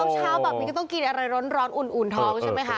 เช้าแบบนี้ก็ต้องกินอะไรร้อนอุ่นท้องใช่ไหมคะ